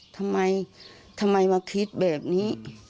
ทำไมมีสมความคิดแบบนี้